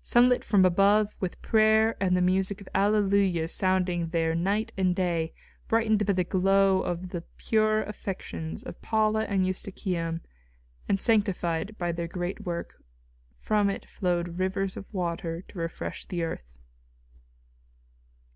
Sunlit from above, with prayer and the music of alleluias sounding there night and day, brightened by the glow of the pure affections of Paula and Eustochium and sanctified by their great work, from it flowed rivers of water to refresh the earth.